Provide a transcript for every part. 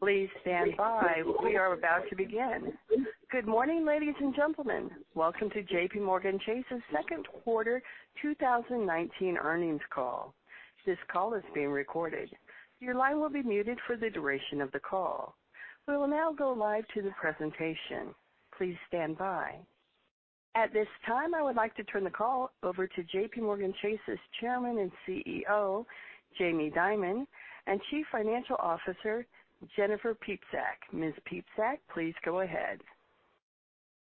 Please stand by. We are about to begin. Good morning, ladies and gentlemen. Welcome to JPMorgan Chase's second quarter 2019 earnings call. This call is being recorded. Your line will be muted for the duration of the call. We will now go live to the presentation. Please stand by. At this time, I would like to turn the call over to JPMorgan Chase's Chairman and CEO, Jamie Dimon, and Chief Financial Officer, Jennifer Piepszak. Ms. Piepszak, please go ahead.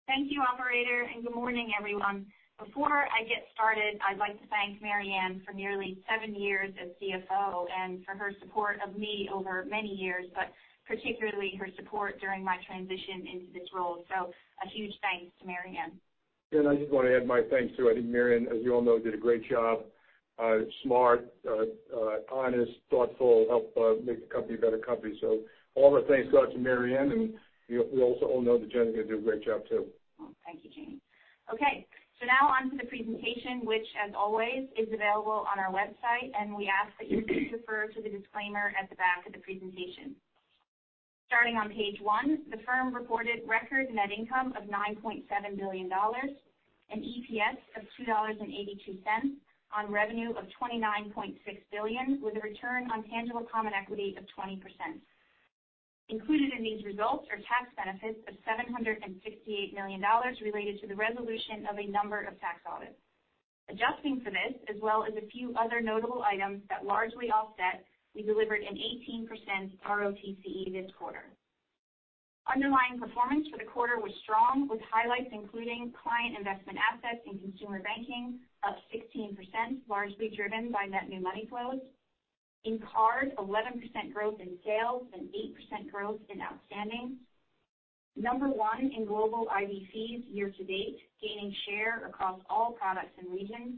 Thank you, operator. Good morning, everyone. Before I get started, I'd like to thank Marianne for nearly seven years as CFO and for her support of me over many years, but particularly her support during my transition into this role. A huge thanks to Marianne. Jen, I just want to add my thanks too. I think Marianne, as you all know, did a great job. Smart, honest, thoughtful, helped make the company a better company. All the thanks go out to Marianne, we also all know that Jen is going to do a great job too. Thank you, Jamie. Now on to the presentation, which as always is available on our website, we ask that you refer to the disclaimer at the back of the presentation. Starting on page one, the firm reported record net income of $9.7 billion, an EPS of $2.82 on revenue of $29.6 billion, with a return on tangible common equity of 20%. Included in these results are tax benefits of $768 million related to the resolution of a number of tax audits. Adjusting for this, as well as a few other notable items that largely offset, we delivered an 18% ROTCE this quarter. Underlying performance for the quarter was strong, with highlights including client investment assets and consumer banking up 16%, largely driven by net new money flows. In card, 11% growth in sales and 8% growth in outstanding. Number one in global IBCs year to date, gaining share across all products and regions.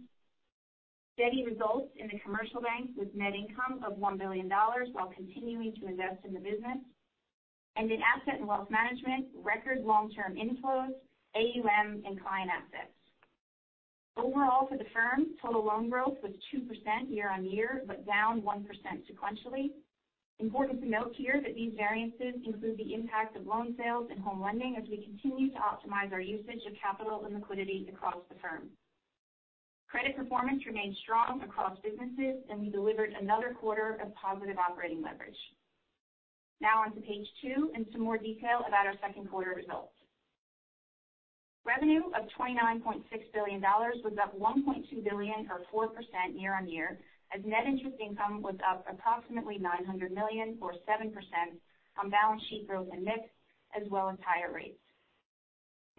Steady results in the Commercial Bank with net income of $1 billion while continuing to invest in the business. In Asset & Wealth Management, record long-term inflows, AUM and client assets. Overall for the firm, total loan growth was 2% year-on-year, down 1% sequentially. Important to note here that these variances include the impact of loan sales and Home Lending as we continue to optimize our usage of capital and liquidity across the firm. Credit performance remained strong across businesses, and we delivered another quarter of positive operating leverage. On to page two and some more detail about our second quarter results. Revenue of $29.6 billion was up $1.2 billion or 4% year-on-year as net interest income was up approximately $900 million or 7% on balance sheet growth in mix as well as higher rates.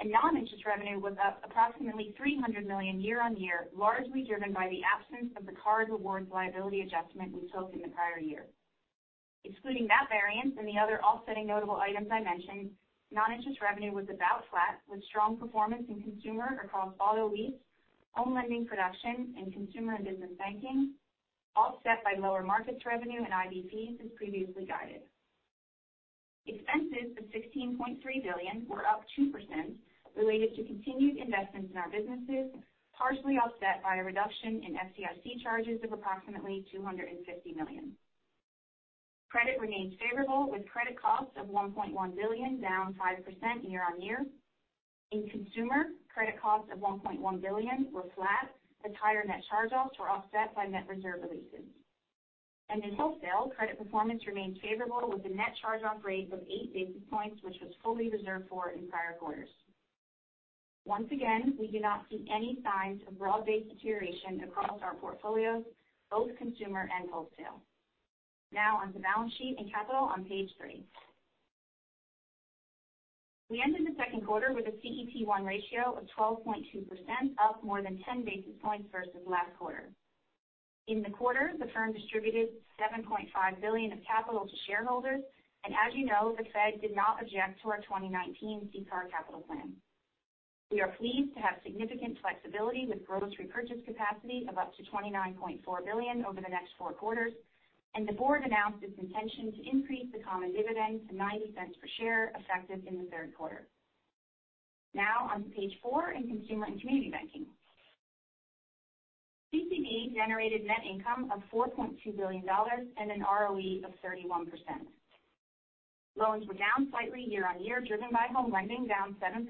Non-interest revenue was up approximately $300 million year-on-year, largely driven by the absence of the card rewards liability adjustment we took in the prior year. Excluding that variance and the other offsetting notable items I mentioned, non-interest revenue was about flat with strong performance in Consumer across Auto Lease, Home Lending production, and Consumer & Business Banking, offset by lower markets revenue and IBCs as previously guided. Expenses of $16.3 billion were up 2% related to continued investments in our businesses, partially offset by a reduction in FDIC charges of approximately $250 million. Credit remains favorable with credit costs of $1.1 billion, down 5% year-on-year. In Consumer, credit costs of $1.1 billion were flat as higher net charge-offs were offset by net reserve releases. In Wholesale, credit performance remained favorable with a net charge-off rate of eight basis points, which was fully reserved for in prior quarters. Once again, we do not see any signs of broad-based deterioration across our portfolios, both Consumer and Wholesale. On to balance sheet and capital on page three. We ended the second quarter with a CET1 ratio of 12.2%, up more than 10 basis points versus last quarter. In the quarter, the firm distributed $7.5 billion of capital to shareholders, and as you know, the Fed did not object to our 2019 CCAR capital plan. We are pleased to have significant flexibility with gross repurchase capacity of up to $29.4 billion over the next four quarters, and the board announced its intention to increase the common dividend to $0.90 per share effective in the third quarter. On to page four in Consumer and Community Banking. CCB generated net income of $4.2 billion and an ROE of 31%. Loans were down slightly year-on-year driven by Home Lending down 7%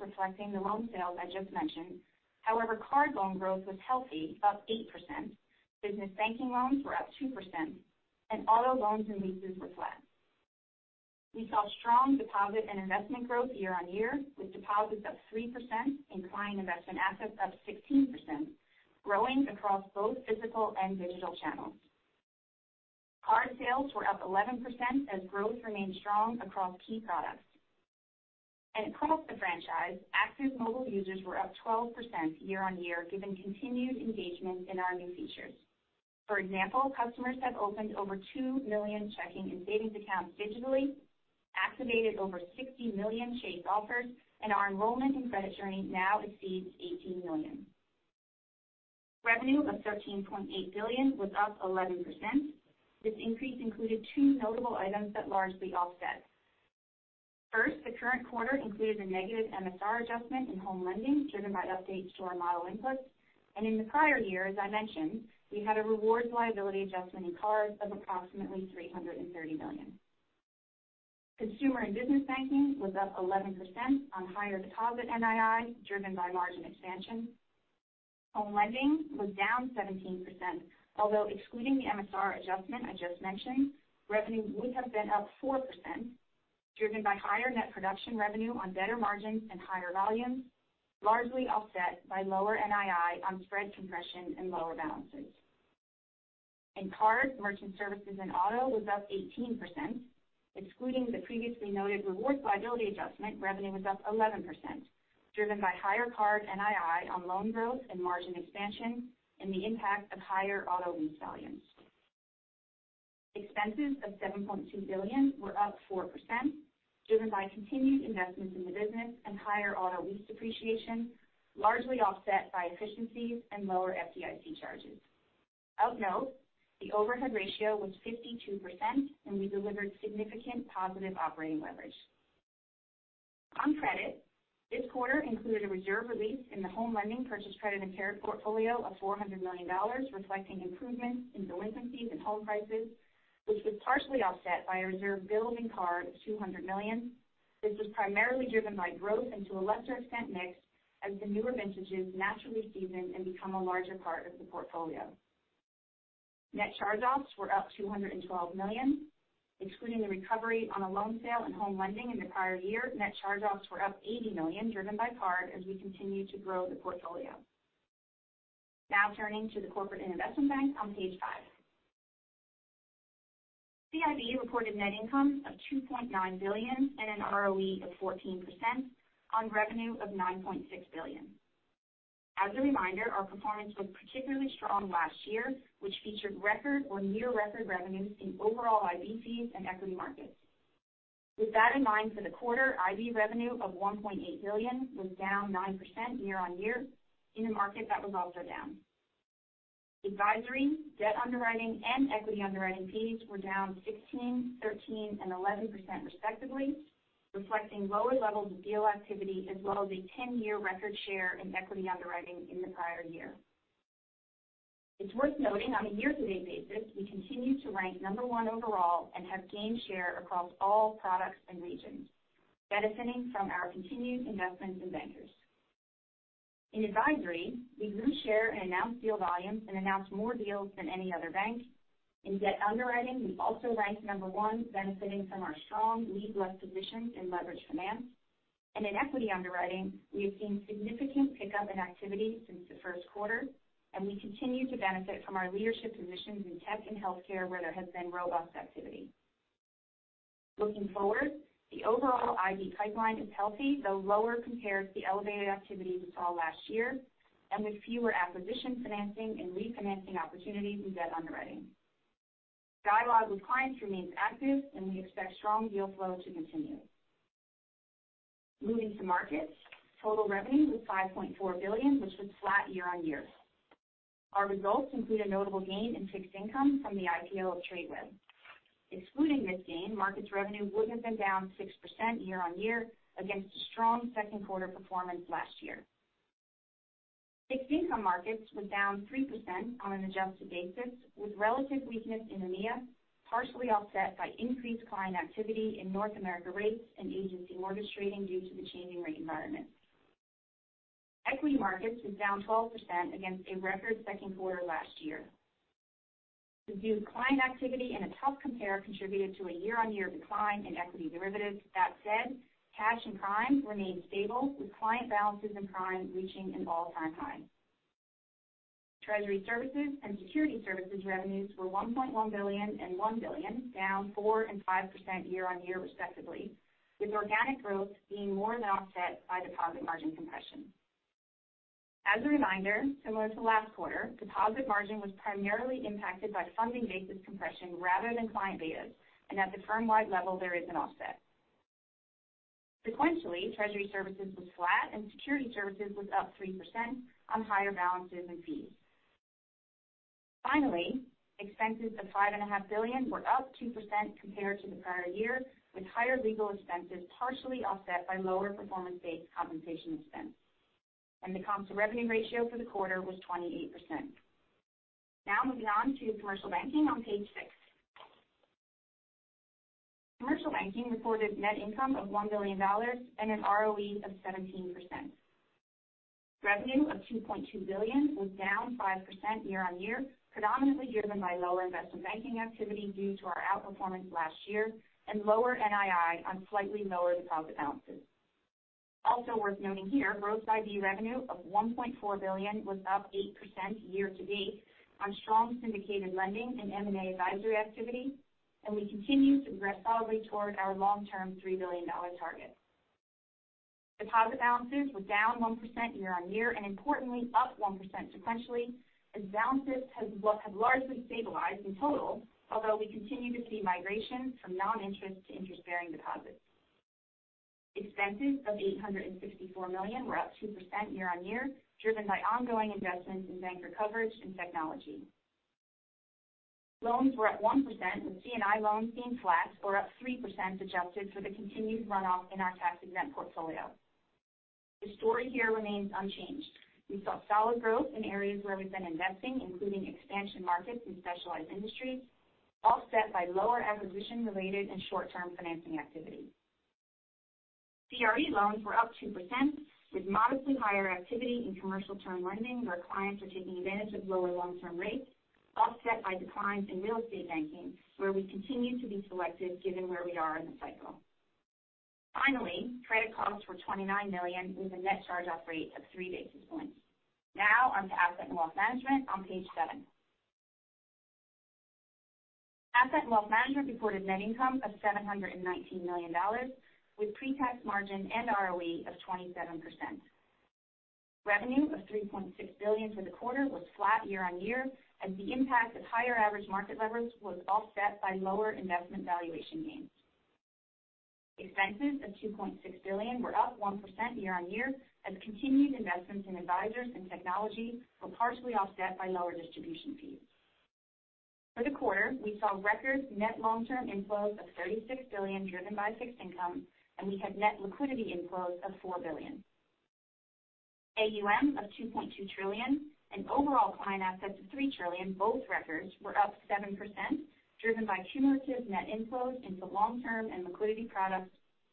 reflecting the loan sales I just mentioned. However, card loan growth was healthy, up 8%. Business Banking loans were up 2%, and Auto loans and leases were flat. We saw strong deposit and investment growth year-on-year with deposits up 3% and client investment assets up 16%, growing across both physical and digital channels. Card sales were up 11% as growth remained strong across key products. Across the franchise, active mobile users were up 12% year-over-year given continued engagement in our new features. For example, customers have opened over 2 million checking and savings accounts digitally, activated over 60 million Chase Offers, and our enrollment in Credit Journey now exceeds 18 million. Revenue of $13.8 billion was up 11%. This increase included two notable items that largely offset. First, the current quarter included a negative MSR adjustment in home lending driven by updates to our model inputs. In the prior year, as I mentioned, we had a rewards liability adjustment in cards of approximately $330 million. Consumer and Business Banking was up 11% on higher deposit NII, driven by margin expansion. Home lending was down 17%, although excluding the MSR adjustment I just mentioned, revenue would have been up 4%, driven by higher net production revenue on better margins and higher volumes, largely offset by lower NII on spread compression and lower balances. In Cards, Merchant Services and Auto was up 18%. Excluding the previously noted rewards liability adjustment, revenue was up 11%, driven by higher card NII on loan growth and margin expansion and the impact of higher auto lease volumes. Expenses of $7.2 billion were up 4%, driven by continued investments in the business and higher auto lease depreciation, largely offset by efficiencies and lower FDIC charges. Of note, the overhead ratio was 52% and we delivered significant positive operating leverage. On credit, this quarter included a reserve release in the home lending Purchased Credit Impaired portfolio of $400 million, reflecting improvements in delinquencies and home prices, which was partially offset by a reserve build in card of $200 million. This was primarily driven by growth and to a lesser extent, mix, as the newer vintages naturally season and become a larger part of the portfolio. Net charge-offs were up $212 million. Excluding the recovery on a loan sale in home lending in the prior year, net charge-offs were up $80 million, driven by card as we continue to grow the portfolio. Now turning to the Corporate & Investment Bank on page five. CIB reported net income of $2.9 billion and an ROE of 14% on revenue of $9.6 billion. As a reminder, our performance was particularly strong last year, which featured record or near record revenues in overall IB fees and equity markets. With that in mind, for the quarter, IB revenue of $1.8 billion was down 9% year-on-year in a market that was also down. Advisory, debt underwriting, and equity underwriting fees were down 16%, 13%, and 11% respectively, reflecting lower levels of deal activity as well as a 10-year record share in equity underwriting in the prior year. It's worth noting on a year-to-date basis, we continue to rank number one overall and have gained share across all products and regions, benefiting from our continued investments in bankers. In advisory, we grew share in announced deal volumes and announced more deals than any other bank. In debt underwriting, we also ranked number one, benefiting from our strong lead-left positions in leveraged finance. In equity underwriting, we have seen significant pickup in activity since the first quarter, and we continue to benefit from our leadership positions in tech and healthcare, where there has been robust activity. Looking forward, the overall IB pipeline is healthy, though lower compared to the elevated activity we saw last year, and with fewer acquisition financing and refinancing opportunities in debt underwriting. Dialogue with clients remains active and we expect strong deal flow to continue. Moving to markets. Total revenue was $5.4 billion, which was flat year-on-year. Our results include a notable gain in fixed income from the IPO of Tradeweb. Excluding this gain, markets revenue would have been down 6% year-on-year against a strong second quarter performance last year. Fixed income markets was down 3% on an adjusted basis, with relative weakness in EMEA partially offset by increased client activity in North America rates and agency mortgage trading due to the changing rate environment. Equity markets was down 12% against a record second quarter last year. Reduced client activity and a tough compare contributed to a year-on-year decline in equity derivatives. That said, cash and prime remained stable with client balances and prime reaching an all-time high. Treasury services and security services revenues were $1.1 billion and $1 billion, down 4% and 5% year-on-year respectively, with organic growth being more than offset by deposit margin compression. As a reminder, similar to last quarter, deposit margin was primarily impacted by funding basis compression rather than client betas, and at the firm-wide level, there is an offset. Sequentially, treasury services was flat and security services was up 3% on higher balances and fees. Finally, expenses of $5.5 billion were up 2% compared to the prior year, with higher legal expenses partially offset by lower performance-based compensation expense. The comp-to-revenue ratio for the quarter was 28%. Now moving on to commercial banking on page six. Commercial banking reported net income of $1 billion and an ROE of 17%. Revenue of $2.2 billion was down 5% year-on-year, predominantly driven by lower investment banking activity due to our outperformance last year and lower NII on slightly lower deposit balances. Also worth noting here, gross IB revenue of $1.4 billion was up 8% year-to-date on strong syndicated lending and M&A advisory activity, and we continue to progress solidly toward our long-term $3 billion target. Deposit balances were down 1% year-on-year and importantly up 1% sequentially as balances have largely stabilized in total, although we continue to see migration from non-interest to interest-bearing deposits. Expenses of $864 million were up 2% year-on-year, driven by ongoing investments in banker coverage and technology. Loans were at 1%, with C&I loans being flat or up 3% adjusted for the continued runoff in our tax-exempt portfolio. The story here remains unchanged. We saw solid growth in areas where we've been investing, including expansion markets and specialized industries, offset by lower acquisition-related and short-term financing activity. CRE loans were up 2%, with modestly higher activity in commercial term lending, where clients are taking advantage of lower long-term rates offset by declines in real estate banking, where we continue to be selective given where we are in the cycle. Finally, credit costs were $29 million with a net charge-off rate of 3 basis points. Now on to Asset and Wealth Management on page seven. Asset and Wealth Management reported net income of $719 million with pre-tax margin and ROE of 27%. Revenue of $3.6 billion for the quarter was flat year-on-year, as the impact of higher average market leverage was offset by lower investment valuation gains. Expenses of $2.6 billion were up 1% year-on-year, as continued investments in advisors and technology were partially offset by lower distribution fees. For the quarter, we saw record net long-term inflows of $36 billion driven by fixed income, and we had net liquidity inflows of $4 billion. AUM of $2.2 trillion and overall client assets of $3 trillion, both records, were up 7%, driven by cumulative net inflows into long-term and liquidity products,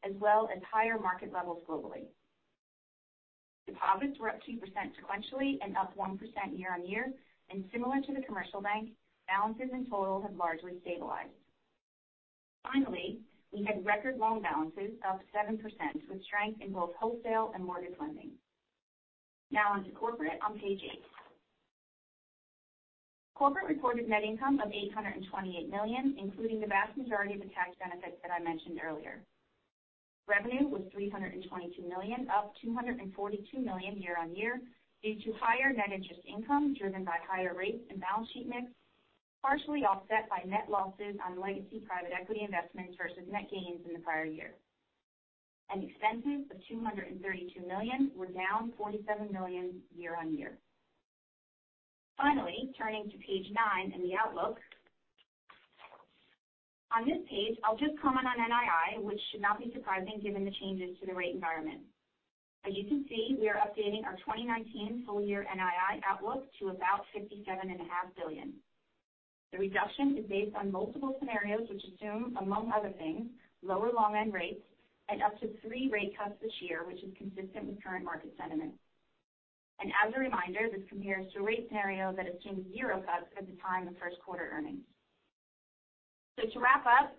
as well as higher market levels globally. Deposits were up 2% sequentially and up 1% year-on-year. Similar to the Commercial Bank, balances in total have largely stabilized. Finally, we had record loan balances up 7%, with strength in both wholesale and mortgage lending. Now on to Corporate on page eight. Corporate reported net income of $828 million, including the vast majority of the tax benefits that I mentioned earlier. Revenue was $322 million, up $242 million year-on-year due to higher net interest income driven by higher rates and balance sheet mix, partially offset by net losses on legacy private equity investments versus net gains in the prior year. Expenses of $232 million were down $47 million year-on-year. Finally, turning to page nine and the outlook. On this page, I'll just comment on NII, which should not be surprising given the changes to the rate environment. As you can see, we are updating our 2019 full-year NII outlook to about $57.5 billion. The reduction is based on multiple scenarios, which assume, among other things, lower long-end rates and up to three rate cuts this year, which is consistent with current market sentiment. As a reminder, this compares to a rate scenario that assumes zero cuts at the time of first quarter earnings. To wrap up,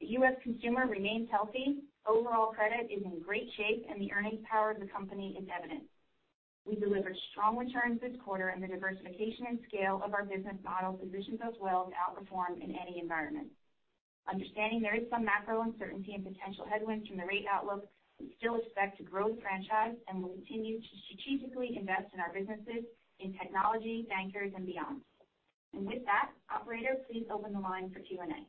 the U.S. consumer remains healthy, overall credit is in great shape, and the earnings power of the company is evident. We delivered strong returns this quarter. The diversification and scale of our business model positions us well to outperform in any environment. Understanding there is some macro uncertainty and potential headwinds from the rate outlook, we still expect to grow the franchise and will continue to strategically invest in our businesses in technology, bankers, and beyond. With that, operator, please open the line for Q&A.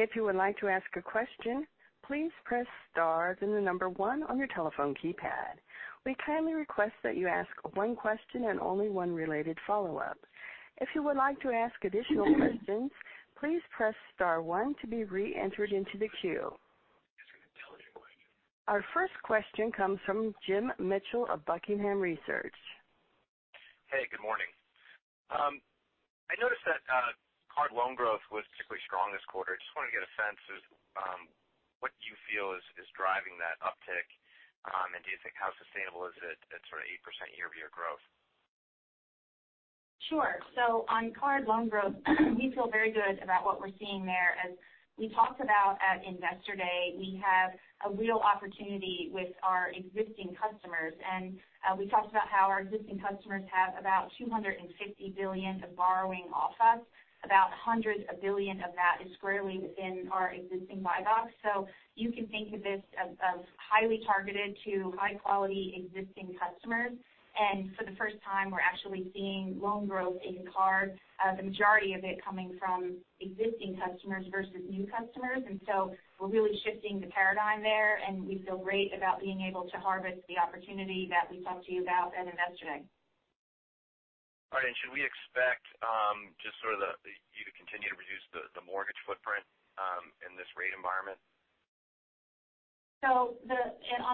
If you would like to ask a question, please press star then the number one on your telephone keypad. We kindly request that you ask one question and only one related follow-up. If you would like to ask additional questions, please press star one to be re-entered into the queue. [inaudible] Our first question comes from Jim Mitchell of Buckingham Research. Hey, good morning. I noticed that card loan growth was particularly strong this quarter. Just wanted to get a sense of what you feel is driving that uptick, and do you think how sustainable is it at sort of 8% year-over-year growth? Sure. On card loan growth, we feel very good about what we're seeing there. As we talked about at Investor Day, we have a real opportunity with our existing customers. We talked about how our existing customers have about $250 billion of borrowing off us. About $100 billion of that is squarely within our existing buy box. You can think of this as highly targeted to high-quality existing customers. For the first time, we're actually seeing loan growth in cards, the majority of it coming from existing customers versus new customers. We're really shifting the paradigm there, and we feel great about being able to harvest the opportunity that we talked to you about at Investor Day. All right. Should we expect just sort of you to continue to reduce the mortgage footprint in this rate environment? On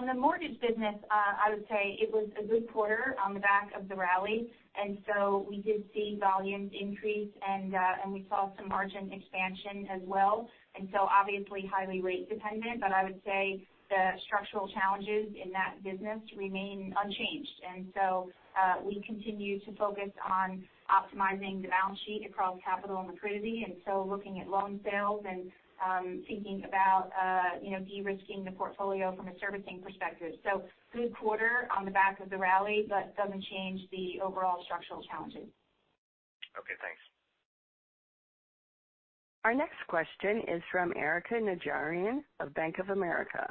the mortgage business, I would say it was a good quarter on the back of the rally. We did see volumes increase, and we saw some margin expansion as well. Obviously highly rate dependent, but I would say the structural challenges in that business remain unchanged. We continue to focus on optimizing the balance sheet across capital and liquidity, and so looking at loan sales and thinking about de-risking the portfolio from a servicing perspective. Good quarter on the back of the rally, but doesn't change the overall structural challenges. Okay, thanks. Our next question is from Erika Najarian of Bank of America.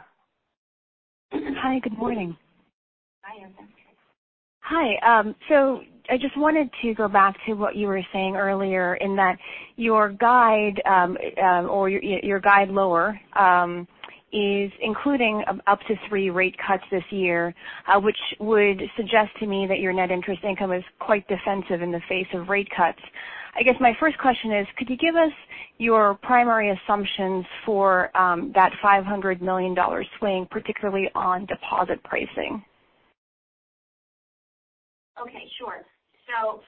Hi, good morning. Hi, Erika. Hi. I just wanted to go back to what you were saying earlier in that your guide or your guide lower is including up to three rate cuts this year, which would suggest to me that your net interest income is quite defensive in the face of rate cuts. I guess my first question is, could you give us your primary assumptions for that $500 million swing, particularly on deposit pricing? Okay, sure.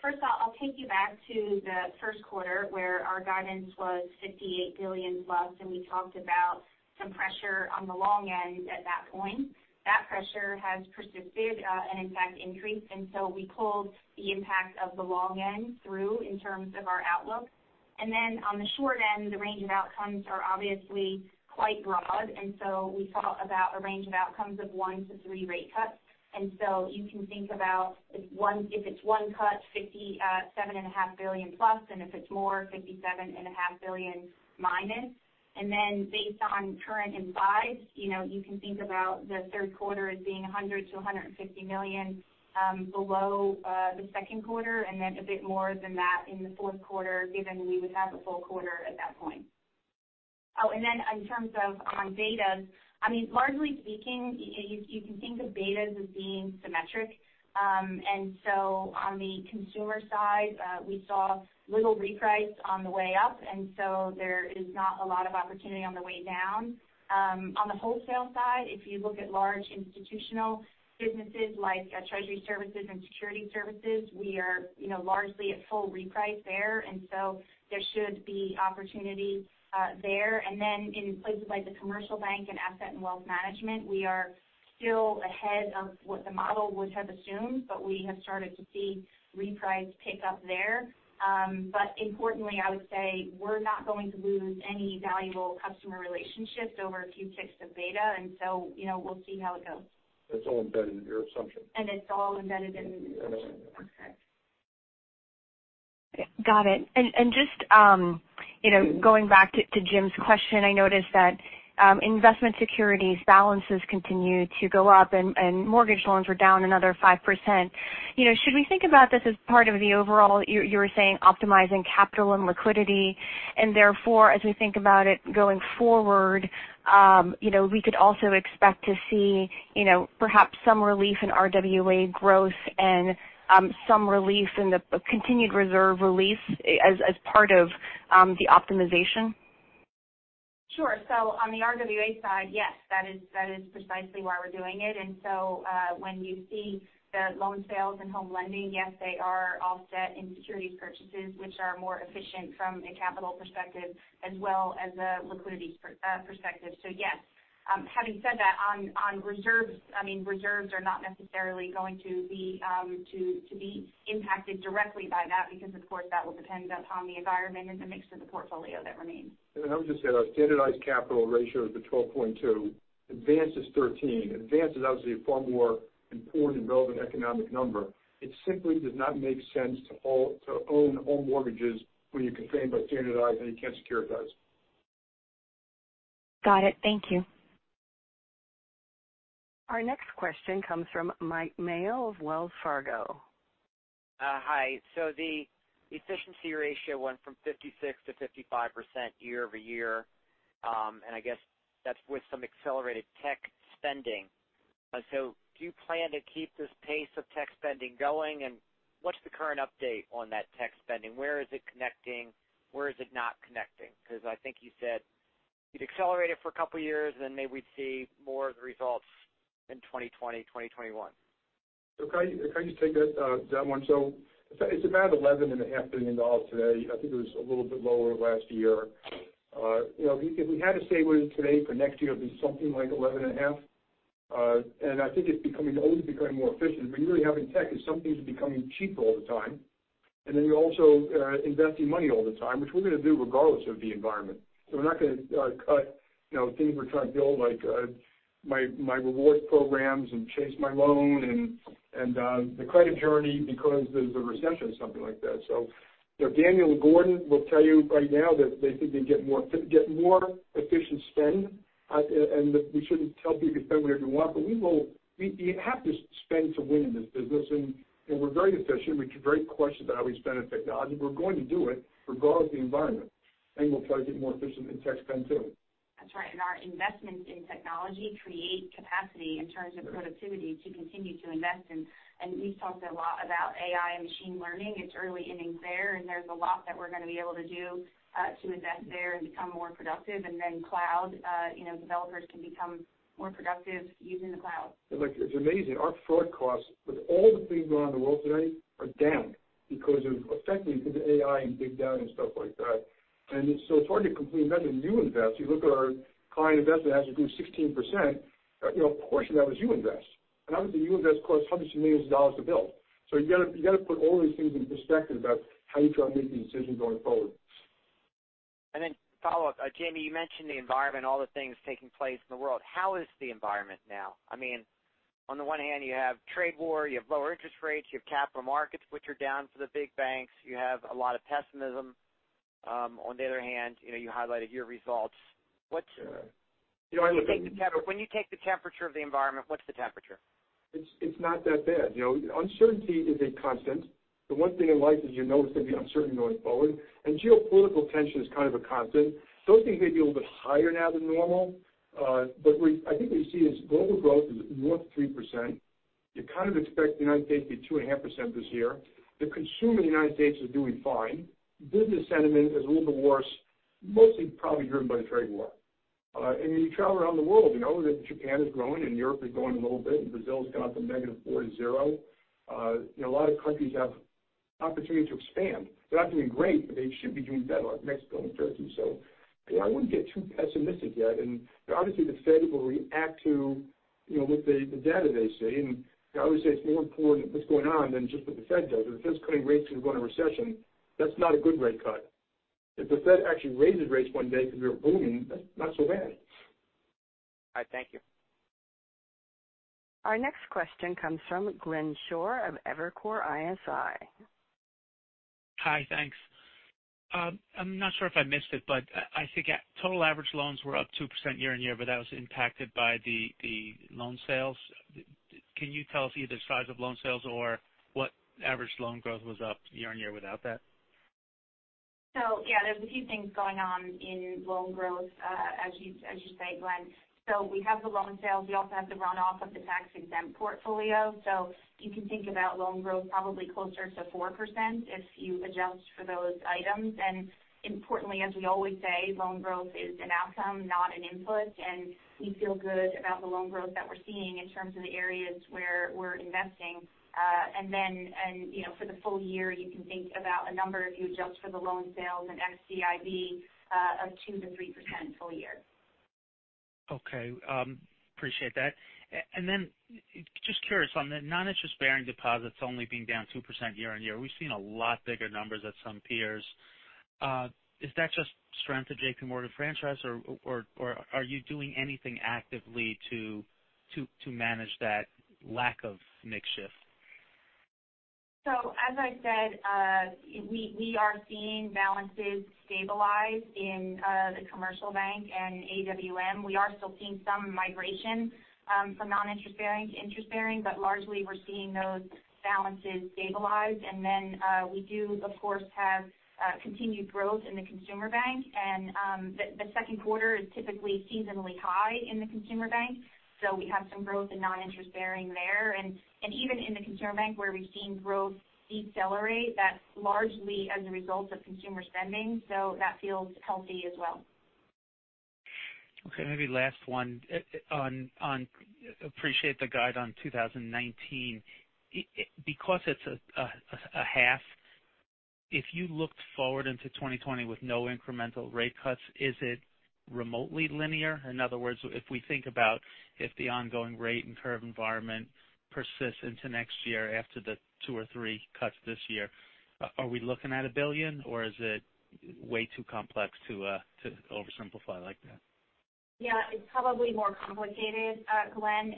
First off, I'll take you back to the first quarter where our guidance was $58 billion+, and we talked about some pressure on the long end at that point. That pressure has persisted, and in fact increased. We pulled the impact of the long end through in terms of our outlook. On the short end, the range of outcomes are obviously quite broad. You can think about if it's one cut, $57.5 billion+, and if it's more, $57.5 billion-. Based on current implied, you can think about the third quarter as being $100 million-$150 million below the second quarter, and then a bit more than that in the fourth quarter, given we would have a full quarter at that point. In terms of on betas, largely speaking, you can think of betas as being symmetric. On the consumer side, we saw little reprice on the way up, and so there is not a lot of opportunity on the way down. On the wholesale side, if you look at large institutional businesses like treasury services and security services, we are largely at full reprice there. There should be opportunity there. In places like the commercial bank and Asset & Wealth Management, we are still ahead of what the model would have assumed, but we have started to see reprice pick up there. Importantly, I would say we're not going to lose any valuable customer relationships over a few ticks of beta. We'll see how it goes. That's all embedded in your assumption. It's all embedded in the assumption. Correct. Got it. Just going back to Jim's question, I noticed that investment securities balances continue to go up and mortgage loans were down another 5%. Should we think about this as part of the overall, you were saying optimizing capital and liquidity, and therefore, as we think about it going forward, we could also expect to see perhaps some relief in RWA growth and some relief in the continued reserve release as part of the optimization? Sure. On the RWA side, yes. That is precisely why we're doing it. When you see the loan sales and home lending, yes, they are offset in securities purchases, which are more efficient from a capital perspective as well as a liquidity perspective. Yes. Having said that, on reserves are not necessarily going to be impacted directly by that because, of course, that will depend upon the environment and the mix of the portfolio that remains. I would just say our standardized capital ratio is at 12.2. Advance is 13. Advance is obviously a far more important and relevant economic number. It simply does not make sense to own home mortgages when you're constrained by standardized and you can't securitize. Got it. Thank you. Our next question comes from Mike Mayo of Wells Fargo. Hi. The efficiency ratio went from 56%-55% year-over-year. I guess that's with some accelerated tech spending. Do you plan to keep this pace of tech spending going? What's the current update on that tech spending? Where is it connecting? Where is it not connecting? Because I think you said you'd accelerate it for a couple of years, maybe we'd see more of the results in 2020, 2021. Can I just take that one? It's about $11.5 billion today. I think it was a little bit lower last year. If we had to stay where it is today for next year, it'll be something like $11.5 billion. I think it's always becoming more efficient. You really have in tech is some things are becoming cheaper all the time. Then you're also investing money all the time, which we're going to do regardless of the environment. We're not going to cut things we're trying to build like my rewards programs and My Chase Loan and the Credit Journey because there's a recession or something like that. Daniel Gordon will tell you right now that they think they can get more efficient spend, and we shouldn't tell people to spend whatever you want, but you have to spend to win in this business. We're very efficient. We very question about how we spend in technology. We're going to do it regardless of the environment. We'll try to get more efficient in tech spend, too. That's right. Our investments in technology create capacity in terms of productivity to continue to invest in. We've talked a lot about AI and machine learning. It's early innings there, and there's a lot that we're going to be able to do to invest there and become more productive. Cloud, developers can become more productive using the cloud. It's amazing. Our fraud costs with all the things going on in the world today are down because of effectively because of AI and Big Data and stuff like that. It's hard to completely invest in You Invest. You look at our client investment, it has to do 16%. A portion of that was You Invest. Obviously, You Invest costs hundreds of millions of dollars to build. You got to put all these things in perspective about how you try to make these decisions going forward. Follow up. Jamie, you mentioned the environment, all the things taking place in the world. How is the environment now? On the one hand, you have trade war, you have lower interest rates, you have capital markets, which are down for the big banks. You have a lot of pessimism. On the other hand, you highlighted your results. Yeah. When you take the temperature of the environment, what's the temperature? It's not that bad. Uncertainty is a constant. The one thing in life is you know there's going to be uncertainty going forward. Geopolitical tension is kind of a constant. Those things may be a little bit higher now than normal. I think what you see is global growth is north of 3%. You kind of expect the U.S. to be 2.5% this year. The consumer in the U.S. is doing fine. Business sentiment is a little bit worse, mostly probably driven by the trade war. You travel around the world, you know that Japan is growing and Europe is growing a little bit, and Brazil's gone up from negative four to zero. A lot of countries have opportunity to expand. They're not doing great, but they should be doing better, like Mexico and Turkey. I wouldn't get too pessimistic yet. Obviously, the Fed will react to the data they see. I would say it's more important what's going on than just what the Fed does. If the Fed's cutting rates because we're in a recession, that's not a good rate cut. If the Fed actually raises rates one day because we're booming, that's not so bad. All right. Thank you. Our next question comes from Glenn Schorr of Evercore ISI. Hi. Thanks. I'm not sure if I missed it, but I think total average loans were up 2% year-on-year, but that was impacted by the loan sales. Can you tell us either the size of loan sales or what average loan growth was up year-on-year without that? Yeah, there's a few things going on in loan growth, as you say, Glenn. We have the loan sales. We also have the runoff of the tax-exempt portfolio. You can think about loan growth probably closer to 4% if you adjust for those items. Importantly, as we always say, loan growth is an outcome, not an input. We feel good about the loan growth that we're seeing in terms of the areas where we're investing. For the full year, you can think about a number, if you adjust for the loan sales and [FCIB], of 2%-3% full year. Okay. Appreciate that. Just curious on the non-interest-bearing deposits only being down 2% year-on-year. We've seen a lot bigger numbers at some peers. Is that just strength of JPMorgan franchise, or are you doing anything actively to manage that lack of mix shift? As I said, we are seeing balances stabilize in the commercial bank and AWM. We are still seeing some migration from non-interest-bearing to interest-bearing, but largely we're seeing those balances stabilized. We do, of course, have continued growth in the consumer bank. The second quarter is typically seasonally high in the consumer bank. We have some growth in non-interest-bearing there. Even in the consumer bank where we've seen growth decelerate, that's largely as a result of consumer spending. That feels healthy as well. Okay, maybe last one. Appreciate the guide on 2019. Because it's a half, if you looked forward into 2020 with no incremental rate cuts, is it remotely linear? In other words, if we think about if the ongoing rate and curve environment persists into next year after the two or three cuts this year, are we looking at $1 billion or is it way too complex to oversimplify like that? Yeah, it's probably more complicated, Glenn.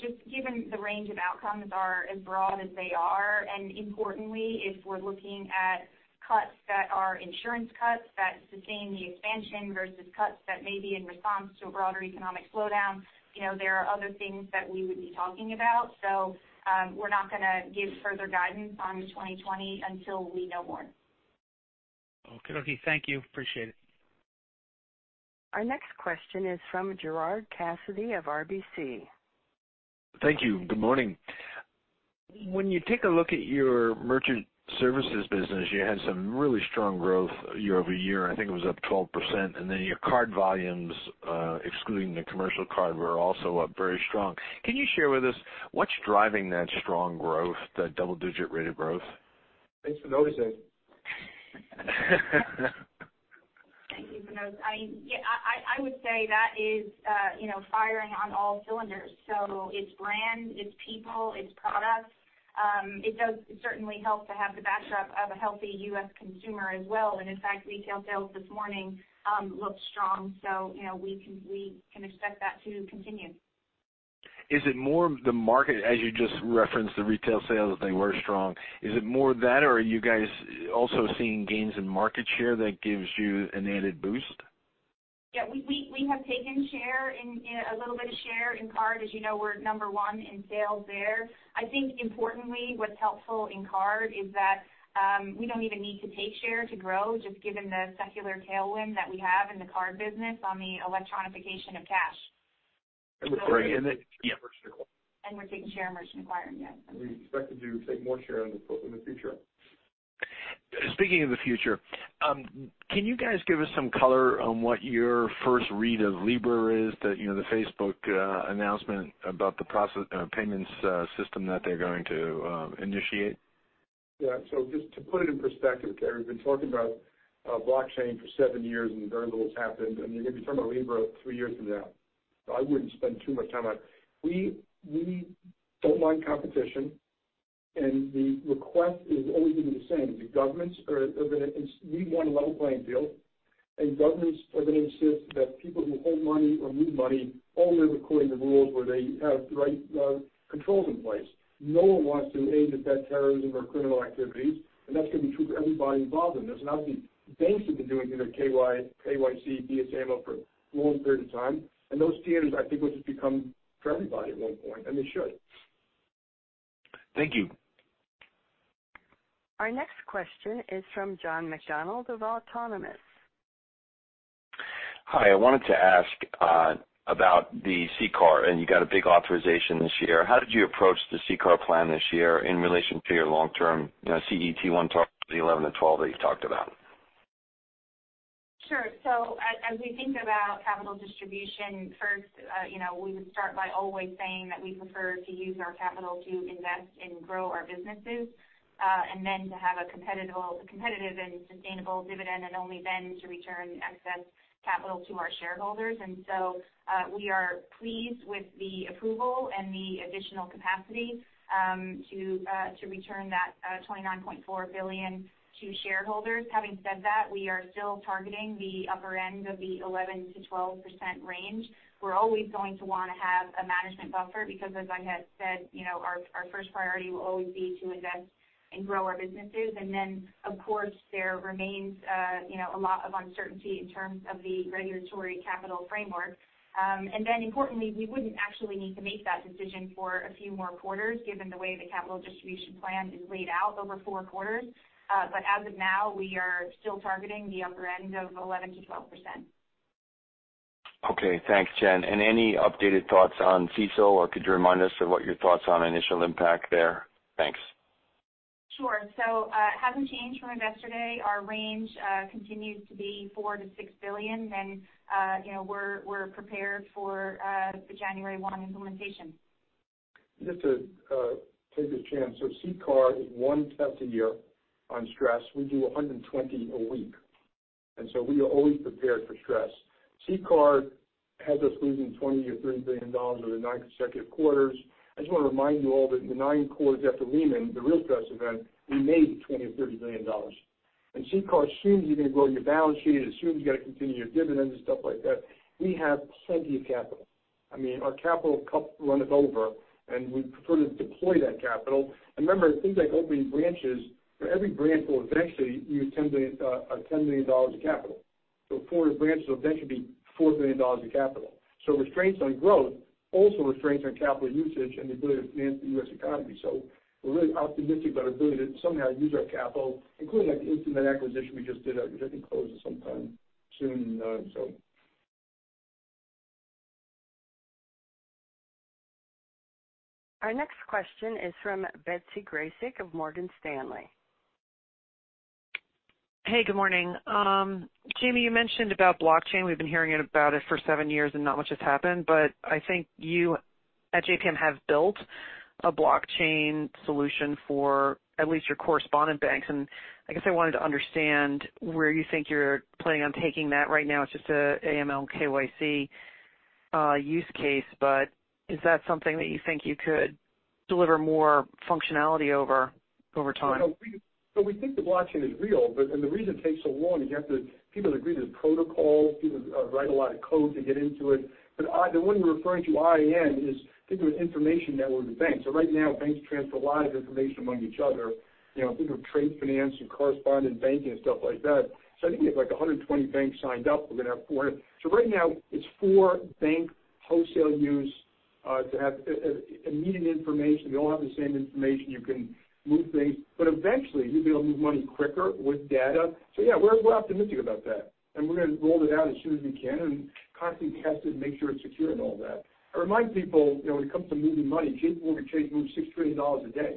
Just given the range of outcomes are as broad as they are, and importantly, if we're looking at cuts that are insurance cuts that sustain the expansion versus cuts that may be in response to a broader economic slowdown, there are other things that we would be talking about. We're not going to give further guidance on 2020 until we know more. Okey-dokey. Thank you. Appreciate it. Our next question is from Gerard Cassidy of RBC. Thank you. Good morning. When you take a look at your merchant services business, you had some really strong growth year-over-year. I think it was up 12%. Your card volumes, excluding the commercial card, were also up very strong. Can you share with us what's driving that strong growth, that double-digit rate of growth? Thanks for noticing. Thank you for noticing. I would say that is firing on all cylinders. It's brand, it's people, it's product. It does certainly help to have the backdrop of a healthy U.S. consumer as well. Retail sales this morning looked strong. We can expect that to continue. Is it more the market, as you just referenced the retail sales, that they were strong? Is it more that, or are you guys also seeing gains in market share that gives you an added boost? Yeah. We have taken share, a little bit of share in card. As you know, we're number one in sales there. I think importantly, what's helpful in card is that we don't even need to take share to grow, just given the secular tailwind that we have in the card business on the electronification of cash. And we're taking- We're taking share in merchant acquiring. We expect to take more share in the future. Speaking of the future, can you guys give us some color on what your first read of Libra is? The Facebook announcement about the payments system that they're going to initiate. Yeah. Just to put it in perspective, we've been talking about blockchain for seven years, very little has happened. You're going to be talking about Libra three years from now. I wouldn't spend too much time on it. We don't mind competition, the request is always going to be the same. We want a level playing field, governments are going to insist that people who hold money or move money only according to rules where they have the right controls in place. No one wants to aid and abet terrorism or criminal activities, that's going to be true for everybody involved in this. Obviously, banks have been doing either KYC, BSA/AML for the longest period of time. Those standards, I think, will just become for everybody at one point, and they should. Thank you. Our next question is from John McDonald of Autonomous. Hi. I wanted to ask about the CCAR. You got a big authorization this year. How did you approach the CCAR plan this year in relation to your long-term CET1 target of 11%-12% that you've talked about? Sure. As we think about capital distribution, first we would start by always saying that we prefer to use our capital to invest and grow our businesses, and then to have a competitive and sustainable dividend, and only then to return excess capital to our shareholders. We are pleased with the approval and the additional capacity to return that $29.4 billion to shareholders. Having said that, we are still targeting the upper end of the 11%-12% range. We're always going to want to have a management buffer because, as I had said, our first priority will always be to invest and grow our businesses. Of course, there remains a lot of uncertainty in terms of the regulatory capital framework. Importantly, we wouldn't actually need to make that decision for a few more quarters given the way the capital distribution plan is laid out over four quarters. As of now, we are still targeting the upper end of 11%-12%. Okay, thanks, Jen. Any updated thoughts on CECL, or could you remind us of what your thoughts on initial impact there? Thanks. Sure. It hasn't changed from yesterday. Our range continues to be $4 billion-$6 billion, and we're prepared for the January 1 implementation. Just to take a chance. CCAR is one test a year on stress. We do 120 a week. We are always prepared for stress. CCAR has us losing $20 billion-$30 billion over nine consecutive quarters. I just want to remind you all that in the nine quarters after Lehman, the real stress event, we made $20 billion-$30 billion. CCAR assumes you're going to grow your balance sheet. It assumes you're going to continue your dividends and stuff like that. We have plenty of capital. I mean, our capital cup runneth over, and we prefer to deploy that capital. Remember things like opening branches. For every branch we'll eventually use $10 million of capital. 400 branches will eventually be $4 billion of capital. Restraints on growth also restraints on capital usage and the ability to finance the U.S. economy. We're really optimistic about our ability to somehow use our capital, including like the InstaMed acquisition we just did, which I think closes sometime soon. Our next question is from Betsy Graseck of Morgan Stanley. Hey, good morning. Jamie, you mentioned about blockchain. We've been hearing about it for seven years and not much has happened. I think you at JPM have built a blockchain solution for at least your correspondent banks. I guess I wanted to understand where you think you're planning on taking that. Right now it's just an AML/KYC use case. Is that something that you think you could deliver more functionality over time? We think that blockchain is real, and the reason it takes so long is you have to get people to agree to the protocol. People write a lot of code to get into it. The one you're referring to, IIN, is think of an information network of banks. Right now, banks transfer a lot of information among each other. Think of trade finance and correspondent banking and stuff like that. I think we have 120 banks signed up. We're going to have 400. Right now it's for bank wholesale use to have immediate information. We all have the same information. You can move things. Eventually you'll be able to move money quicker with data. Yeah, we're optimistic about that, and we're going to roll it out as soon as we can and constantly test it and make sure it's secure and all that. I remind people when it comes to moving money, JPMorgan Chase moves $6 trillion a day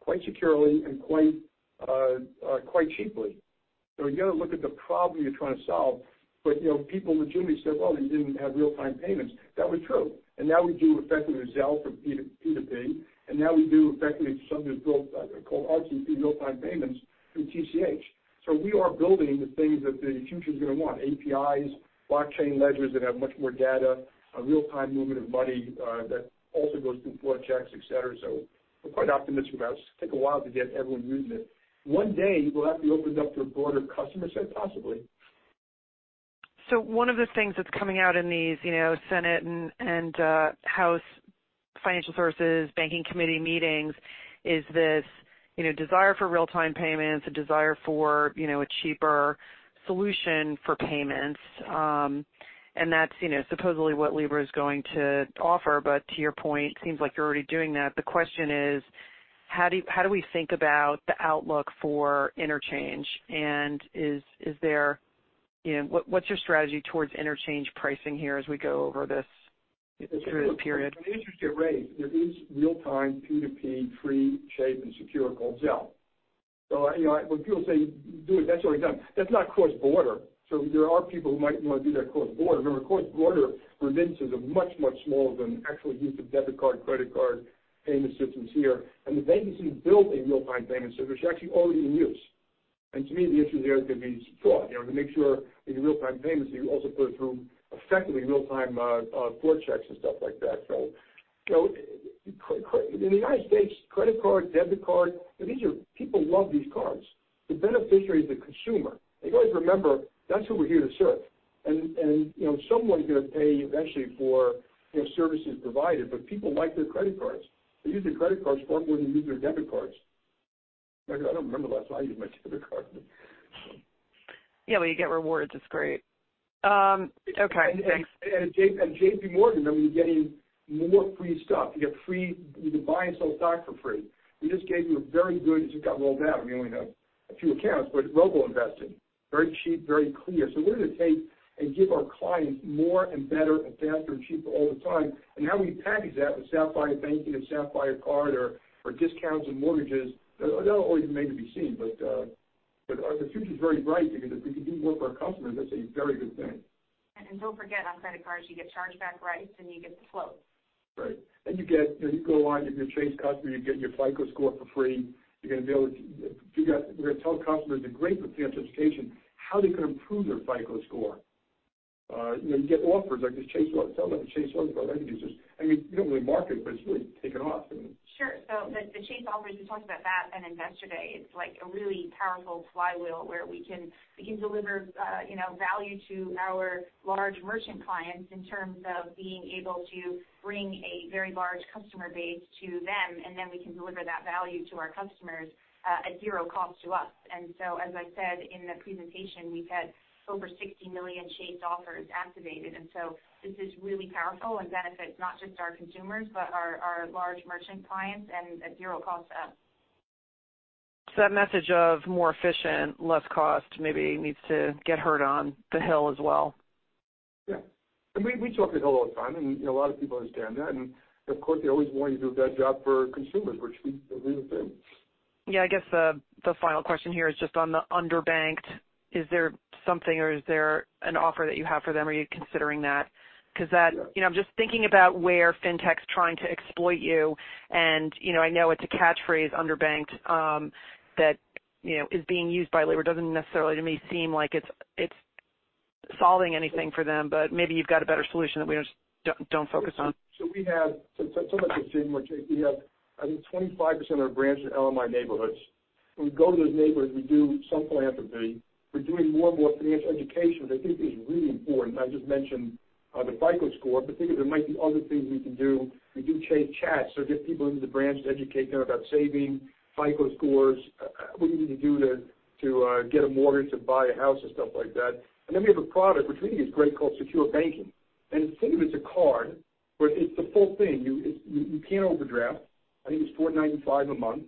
quite securely and quite cheaply. You got to look at the problem you're trying to solve. People legitimately said, "Well, you didn't have real-time payments." That was true. Now we do effectively Zelle from P2P. Now we do effectively something that's built called RTP real-time payments through TCH. We are building the things that the future's going to want. APIs, blockchain ledgers that have much more data, real-time movement of money that also goes through fraud checks, et cetera. We're quite optimistic about it. It just take a while to get everyone using it. One day it will have to be opened up to a broader customer set possibly. One of the things that's coming out in these Senate and House Financial Services Committee meetings is this desire for real-time payments, a desire for a cheaper solution for payments. That's supposedly what Libra is going to offer. To your point, seems like you're already doing that. The question is, how do we think about the outlook for interchange, and what's your strategy towards interchange pricing here as we go over this period? When interest get raised, there is real-time P2P, free, safe, and secure called Zelle. When people say do it, that's already done. That's not cross-border. There are people who might want to do that cross-border. Remember, cross-border remittances are much, much smaller than actual use of debit card, credit card payment systems here. The banks who built a real-time payment system is actually already in use. To me, the issue there is going to be fraud. To make sure in your real-time payments that you also put it through effectively real-time floor checks and stuff like that. In the United States, credit card, debit card, people love these cards. The beneficiary is the consumer. You guys remember that's who we're here to serve. Someone's going to pay eventually for services provided, but people like their credit cards. They use their credit cards far more than they use their debit cards. I don't remember the last time I used my debit card. Yeah, when you get rewards, it's great. Okay, thanks. JPMorgan, we're getting more free stuff. You can buy and sell stock for free. We just gave you. It just got rolled out, and we only have a few accounts, but robo-investing, very cheap, very clear. We're going to take and give our clients more and better and faster and cheaper all the time. How we package that with Sapphire Banking, a Sapphire card, or discounts on mortgages, they're not always made to be seen. The future's very bright because if we can do more for our customers, that's a very good thing. Don't forget, on credit cards, you get chargeback rights, and you get the float. Right. You go on, if you're a Chase customer, you get your FICO score for free. We're going to tell customers the great financial education, how they can improve their FICO score. You get offers like this Chase Offer. I mean, you don't really market it, but it's really taken off. Sure. The Chase Offers, we talked about that at Investor Day. It's like a really powerful flywheel where we can deliver value to our large merchant clients in terms of being able to bring a very large customer base to them, and then we can deliver that value to our customers at zero cost to us. As I said in the presentation, we've had over 60 million Chase Offers activated. This is really powerful and benefits not just our consumers, but our large merchant clients and at zero cost to us. That message of more efficient, less cost maybe needs to get heard on the Hill as well. Yeah. We talk to the Hill all the time, and a lot of people understand that. Of course, they always want you to do a better job for consumers, which we agree with them. Yeah. I guess the final question here is just on the underbanked. Is there something or is there an offer that you have for them? Are you considering that? I'm just thinking about where fintech's trying to exploit you, and I know it's a catchphrase, underbanked, that is being used by labor. Doesn't necessarily to me seem like it's solving anything for them, but maybe you've got a better solution that we just don't focus on. We have, similar to JPMorgan Chase, we have, I think, 25% of our branches in LMI neighborhoods. When we go to those neighborhoods, we do some philanthropy. We're doing more and more financial education, which I think is really important. I just mentioned the FICO score, but think there might be other things we can do. We do Chase chats or get people into the branch to educate them about saving, FICO scores, what you need to do to get a mortgage to buy a house and stuff like that. Then we have a product which we think is great called Secure Banking. Think of it as a card, but it's the full thing. You can't overdraft. I think it's $4.95 a month.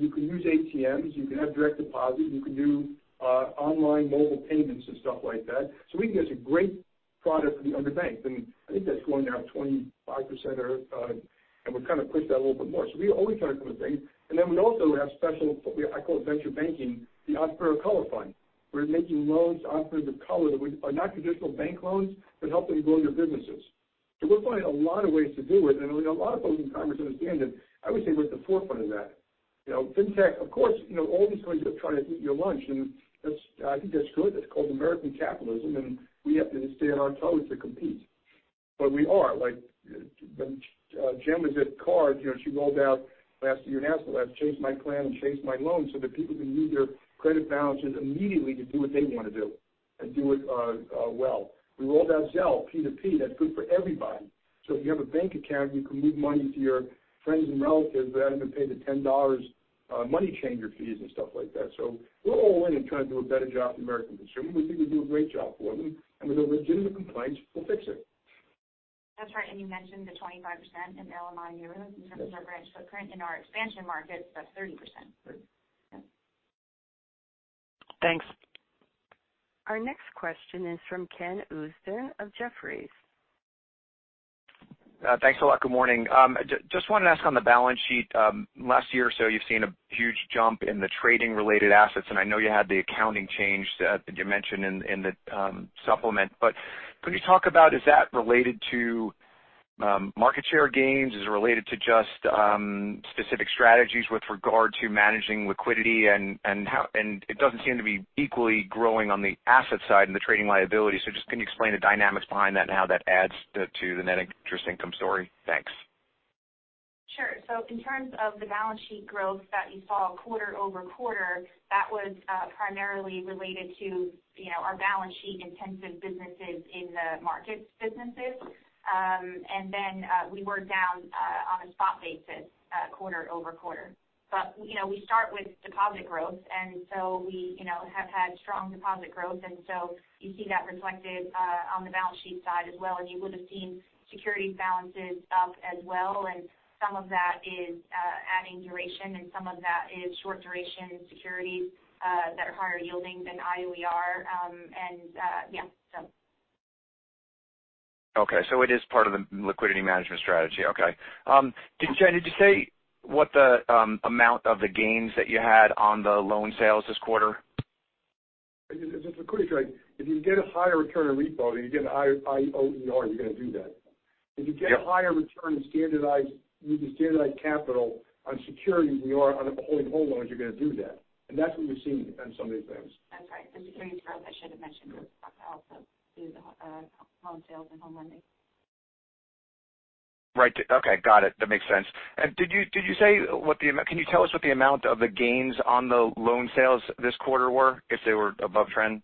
You can use ATMs, you can have direct deposit, you can do online mobile payments and stuff like that. We think that's a great product for the underbanked. I think that's going now 25%, and we've kind of pushed that a little bit more. We always try to do a thing. We also have special, I call it venture banking, the Entrepreneurs of Color Fund, where we're making loans to entrepreneurs of color that are not traditional bank loans, but help them grow their businesses. We're finding a lot of ways to do it, and a lot of folks in Congress understand it. I would say we're at the forefront of that. Fintech, of course, always going to try to eat your lunch, I think that's good. That's called American capitalism, and we have to stay on our toes to compete. We are. Like when Jen was at card, she rolled out last year, announced the last My Chase Plan and My Chase Loan so that people can move their credit balances immediately to do what they want to do and do it well. We rolled out Zelle P2P. That's good for everybody. If you have a bank account, you can move money to your friends and relatives without having to pay the $10 money changer fees and stuff like that. We're all in in trying to do a better job for the American consumer. We think we do a great job for them. With the legitimate complaints, we'll fix it. That's right. You mentioned the 25% in LMI neighborhoods. In terms of our branch footprint in our expansion markets, that's 30%. Thanks. Our next question is from Ken Usdin of Jefferies. Thanks a lot. Good morning. Just wanted to ask on the balance sheet. Last year or so, you've seen a huge jump in the trading related assets, and I know you had the accounting change that you mentioned in the supplement. Could you talk about, is that related to market share gains? Is it related to just specific strategies with regard to managing liquidity? It doesn't seem to be equally growing on the asset side and the trading liability. Just can you explain the dynamics behind that and how that adds to the net interest income story? Thanks. Sure. In terms of the balance sheet growth that you saw quarter-over-quarter, that was primarily related to our balance sheet intensive businesses in the markets businesses. We were down on a spot basis quarter-over-quarter. We start with deposit growth, and so we have had strong deposit growth, and so you see that reflected on the balance sheet side as well, and you would have seen securities balances up as well. Some of that is adding duration, and some of that is short duration securities that are higher yielding than IOER. Okay. It is part of the liquidity management strategy. Okay. Jen, did you say what the amount of the gains that you had on the loan sales this quarter? It's a liquidity trade. If you get a higher return on repo and you get an IOER, you're going to do that. If you get a higher return using standardized capital on securities than you are on holding home loans, you're going to do that. That's what we've seen on some of these things. That's right. The securities growth, I should have mentioned, was also due to the home sales and home lending. Right. Okay. Got it. That makes sense. Can you tell us what the amount of the gains on the loan sales this quarter were if they were above trend?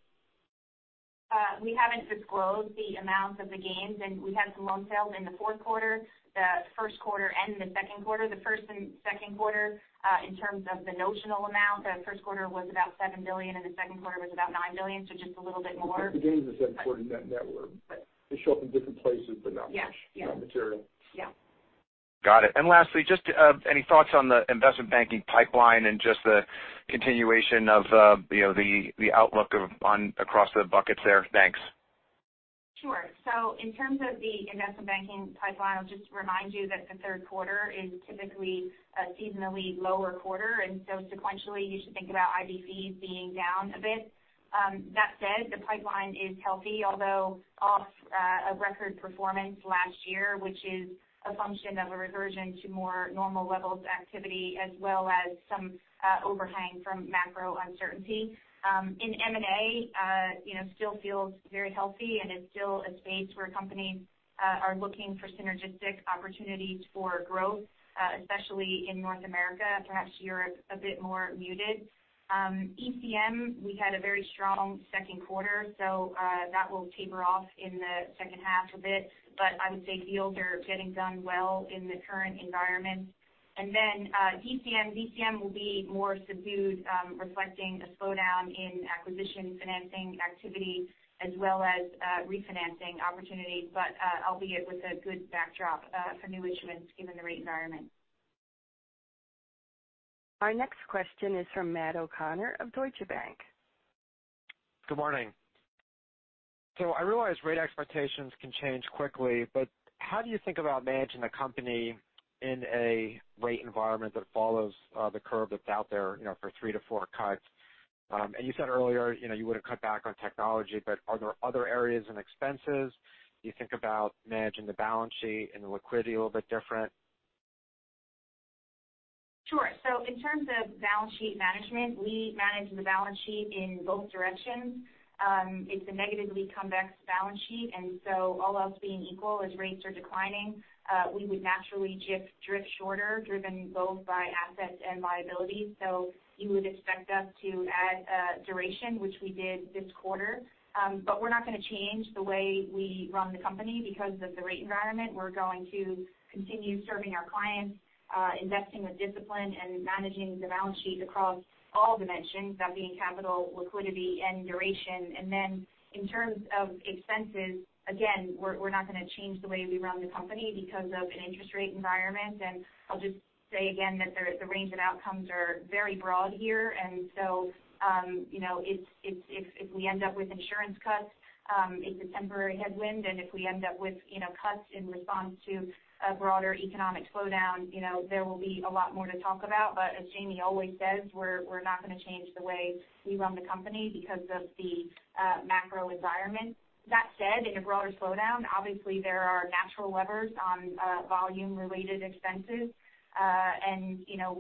We haven't disclosed the amount of the gains. We had some loan sales in the fourth quarter, the first quarter, and the second quarter. The first and second quarter, in terms of the notional amount, the first quarter was about $7 billion, and the second quarter was about $9 billion, so just a little bit more. The gains are said to net network. They show up in different places but not much. Yeah. Not material. Yeah. Got it. Lastly, just any thoughts on the investment banking pipeline and just the continuation of the outlook across the buckets there? Thanks. Sure. In terms of the investment banking pipeline, I will just remind you that the third quarter is typically a seasonally lower quarter, sequentially, you should think about IBCs being down a bit. That said, the pipeline is healthy, although off a record performance last year, which is a function of a reversion to more normal levels of activity as well as some overhang from macro uncertainty. In M&A, still feels very healthy, and it is still a space where companies are looking for synergistic opportunities for growth, especially in North America. Perhaps Europe, a bit more muted. ECM, we had a very strong second quarter, so that will taper off in the second half a bit. I would say deals are getting done well in the current environment. DCM. DCM will be more subdued, reflecting a slowdown in acquisition financing activity as well as refinancing opportunities, but albeit with a good backdrop for new issuance given the rate environment. Our next question is from Matt O'Connor of Deutsche Bank. Good morning. I realize rate expectations can change quickly, how do you think about managing the company in a rate environment that follows the curve that's out there for three to four cuts? You said earlier you wouldn't cut back on technology, are there other areas and expenses you think about managing the balance sheet and the liquidity a little bit different? Sure. In terms of balance sheet management, we manage the balance sheet in both directions. It's a negatively convex balance sheet, all else being equal, as rates are declining we would naturally drift shorter, driven both by assets and liabilities. You would expect us to add duration, which we did this quarter. We're not going to change the way we run the company because of the rate environment. We're going to continue serving our clients, investing with discipline, and managing the balance sheet across all dimensions, that being capital, liquidity, and duration. In terms of expenses, again, we're not going to change the way we run the company because of an interest rate environment. I'll just say again that the range of outcomes are very broad here. If we end up with insurance cuts, it's a temporary headwind. If we end up with cuts in response to a broader economic slowdown there will be a lot more to talk about. As Jamie always says, we're not going to change the way we run the company because of the macro environment. That said, in a broader slowdown, obviously there are natural levers on volume-related expenses.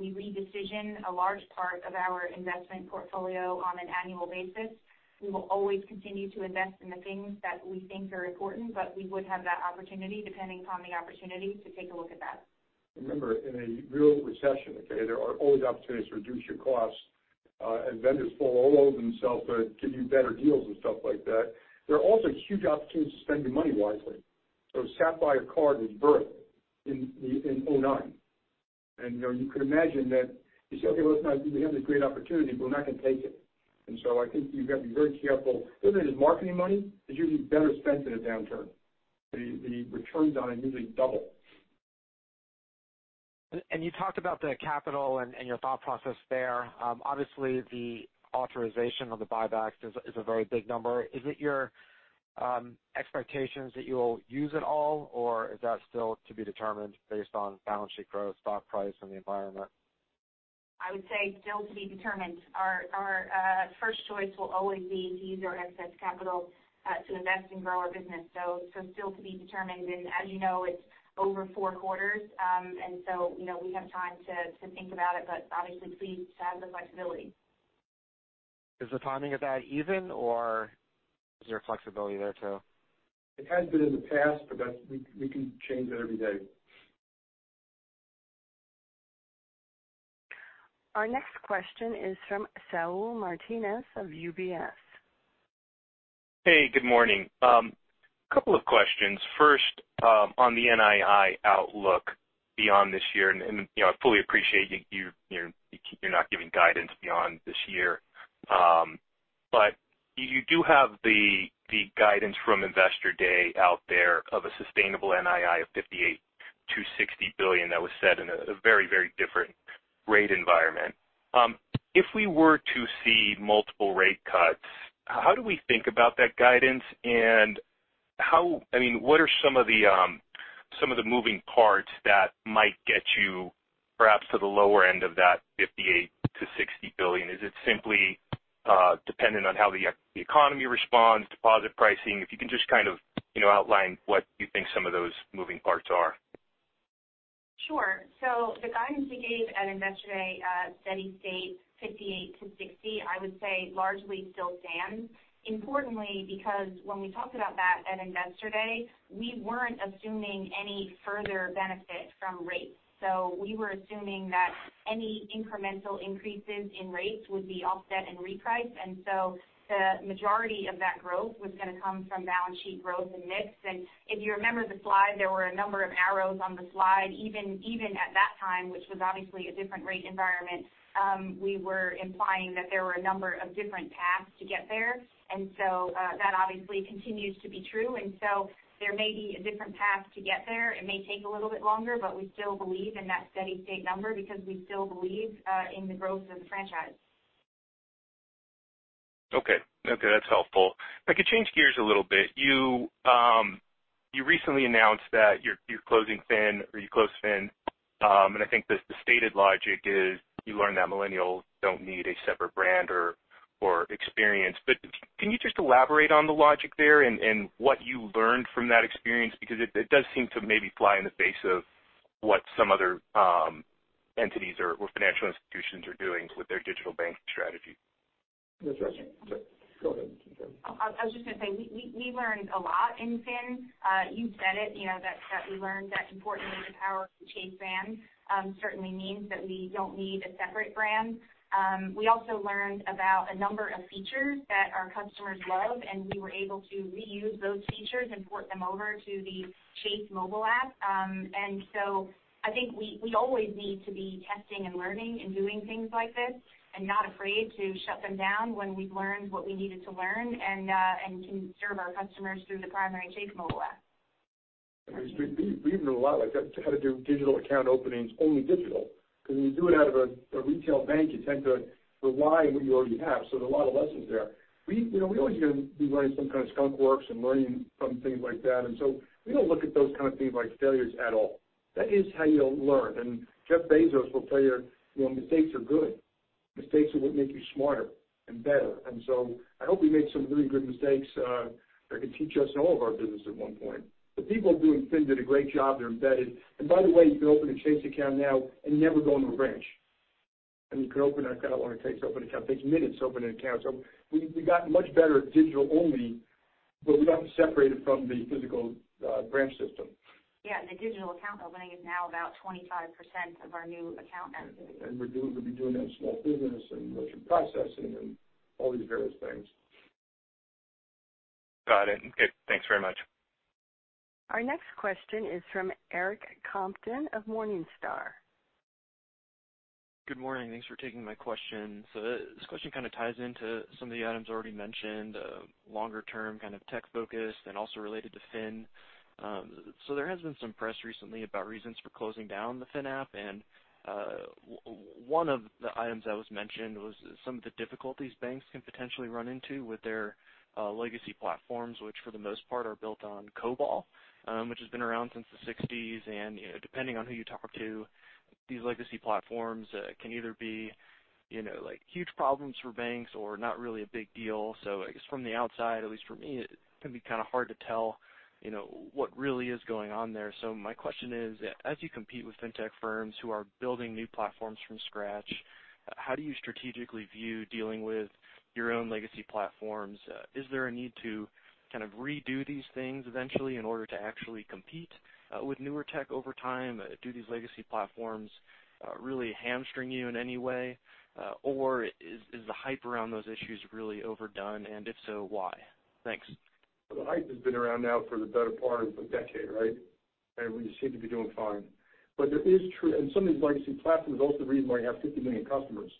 We re-decision a large part of our investment portfolio on an annual basis. We will always continue to invest in the things that we think are important, we would have that opportunity depending upon the opportunity to take a look at that. Remember, in a real recession, okay, there are always opportunities to reduce your costs, vendors fall all over themselves to give you better deals and stuff like that. There are also huge opportunities to spend your money wisely. Sapphire card was birthed in 2009. You could imagine that you say, "Okay, well, it's nice. We have this great opportunity. We're not going to take it." I think you've got to be very careful. Even if it is marketing money, it's usually better spent in a downturn. The returns on it usually double. You talked about the capital and your thought process there. Obviously, the authorization of the buybacks is a very big number. Is it your expectations that you will use it all, or is that still to be determined based on balance sheet growth, stock price, and the environment? I would say still to be determined. Our first choice will always be to use our excess capital to invest and grow our business. Still to be determined. As you know, it's over four quarters. We have time to think about it, but obviously pleased to have the flexibility. Is the timing of that even, or is there flexibility there too? It has been in the past, but we can change it every day. Our next question is from Saul Martinez of UBS. Hey, good morning. Couple of questions. First, on the NII outlook beyond this year. I fully appreciate you're not giving guidance beyond this year. You do have the guidance from Investor Day out there of a sustainable NII of $58 billion-$60 billion that was set in a very different rate environment. If we were to see multiple rate cuts, how do we think about that guidance, and what are some of the moving parts that might get you perhaps to the lower end of that $58 billion-$60 billion? Is it simply dependent on how the economy responds, deposit pricing? If you can just kind of outline what you think some of those moving parts are. Sure. The guidance we gave at Investor Day, steady state $58 billion-$60 billion, I would say largely still stands. Importantly, because when we talked about that at Investor Day, we weren't assuming any further benefit from rates. We were assuming that any incremental increases in rates would be offset and repriced, and the majority of that growth was going to come from balance sheet growth and mix. If you remember the slide, there were a number of arrows on the slide. Even at that time, which was obviously a different rate environment, we were implying that there were a number of different paths to get there. That obviously continues to be true. There may be a different path to get there. It may take a little bit longer, but we still believe in that steady state number because we still believe in the growth of the franchise. Okay. That's helpful. If I could change gears a little bit. You recently announced that you're closing Finn, or you closed Finn, and I think the stated logic is you learned that millennials don't need a separate brand or experience. Can you just elaborate on the logic there and what you learned from that experience? It does seem to maybe fly in the face of what some other entities or financial institutions are doing with their digital banking strategy. That's right. Go ahead. I was just going to say, we learned a lot in Finn. You said it, that we learned that importantly, the power of the Chase brand certainly means that we don't need a separate brand. We also learned about a number of features that our customers love, and we were able to reuse those features and port them over to the Chase mobile app. I think we always need to be testing and learning and doing things like this and not afraid to shut them down when we've learned what we needed to learn and can serve our customers through the primary Chase mobile app. We've learned a lot like that, how to do digital account openings only digital, because when you do it out of a retail bank, you tend to rely on what you already have. There are a lot of lessons there. We always are going to be running some kind of skunk works and learning from things like that. We don't look at those kind of things like failures at all. That is how you'll learn. Jeff Bezos will tell you mistakes are good. Mistakes are what make you smarter and better. I hope we made some really good mistakes that could teach us in all of our business at one point. The people doing Finn did a great job. They're embedded. By the way, you can open a Chase account now and never go into a branch. I mean, you can open an account. Takes minutes to open an account. We've gotten much better at digital only, but we don't separate it from the physical branch system. Yeah. The digital account opening is now about 25% of our new account opening. We'll be doing it in small business and merchant processing and all these various things. Got it. Okay, thanks very much. Our next question is from Eric Compton of Morningstar. Good morning. Thanks for taking my question. This question kind of ties into some of the items already mentioned, longer term kind of tech focused and also related to Finn. There has been some press recently about reasons for closing down the Finn app, and one of the items that was mentioned was some of the difficulties banks can potentially run into with their legacy platforms, which for the most part are built on COBOL, which has been around since the sixties. Depending on who you talk to, these legacy platforms can either be huge problems for banks or not really a big deal. I guess from the outside, at least for me, it can be kind of hard to tell what really is going on there. My question is: As you compete with fintech firms who are building new platforms from scratch, how do you strategically view dealing with your own legacy platforms? Is there a need to kind of redo these things eventually in order to actually compete with newer tech over time? Do these legacy platforms really hamstring you in any way? Is the hype around those issues really overdone? If so, why? Thanks. The hype has been around now for the better part of a decade, right? We seem to be doing fine. It is true, and some of these legacy platforms are also the reason why you have 50 million customers.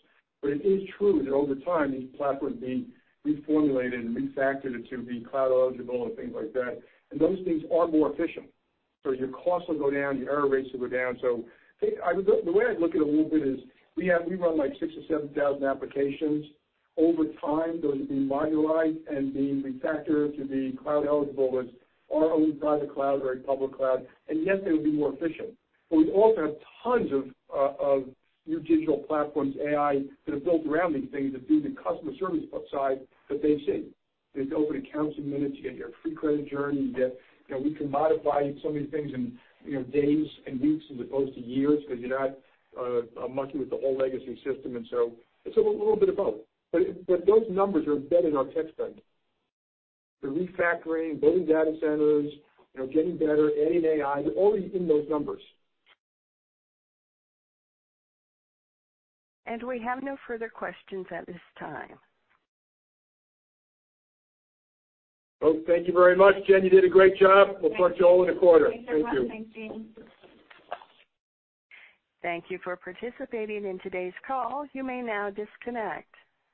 It is true that over time, these platforms need reformulated and refactored to be cloud eligible and things like that. Those things are more efficient. Your costs will go down, your error rates will go down. The way I look at it a little bit is we run like 6 or 7 thousand applications. Over time, those will be modularized and be refactored to be cloud eligible, whether it's our own private cloud or a public cloud, yes, they will be more efficient. We also have tons of new digital platforms, AI, that are built around these things that do the customer service upside that they've seen. They open accounts in minutes. You get your free Credit Journey. We can modify so many things in days and weeks as opposed to years because you're not mucking with the whole legacy system. It's a little bit of both. Those numbers are embedded on tech spend. The refactoring, building data centers, getting better, adding AI, they're already in those numbers. We have no further questions at this time. Thank you very much. Jen, you did a great job. Thank you. We'll talk to you all in a quarter. Thank you. Thanks, everyone. Thanks, Jamie. Thank you for participating in today's call. You may now disconnect.